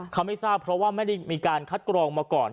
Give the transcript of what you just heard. เขาไม่ทราบเพราะว่าไม่ได้มีการคัดกรองมาก่อน